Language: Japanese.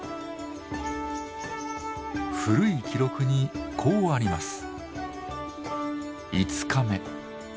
古い記録にこうあります。